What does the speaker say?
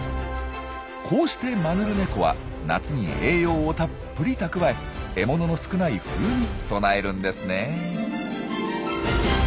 こうしてマヌルネコは夏に栄養をたっぷり蓄え獲物の少ない冬に備えるんですね。